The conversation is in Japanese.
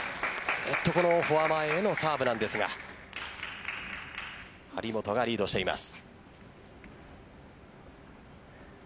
ずっと、フォア前へのサーブですが張本がリードしています。